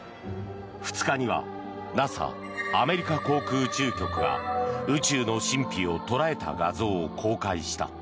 ２日にはＮＡＳＡ・アメリカ航空宇宙局が宇宙の神秘を捉えた画像を公開した。